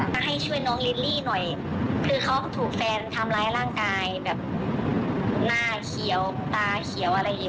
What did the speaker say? ก็ให้ช่วยน้องลิลลี่หน่อยคือเขาถูกแฟนทำร้ายร่างกายแบบหน้าเขียวตาเขียวอะไรอย่างนี้